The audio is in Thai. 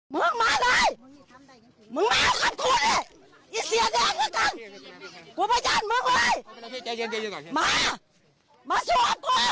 บอกให้ข่าวเลย